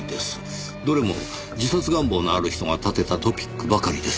どれも自殺願望のある人が立てたトピックばかりですね。